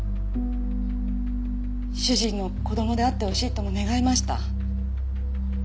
主人の子供であってほしいとも願いました。